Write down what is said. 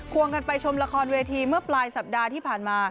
วงกันไปชมละครเวทีเมื่อปลายสัปดาห์ที่ผ่านมา